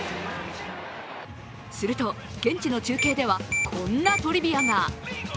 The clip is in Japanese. すると、現地の中継ではこんなトリビアが。